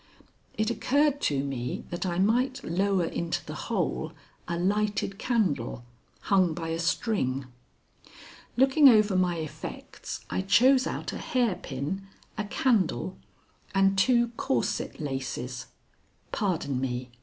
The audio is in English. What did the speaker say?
It occurred to me that I might lower into the hole a lighted candle hung by a string. Looking over my effects, I chose out a hairpin, a candle, and two corset laces, (Pardon me.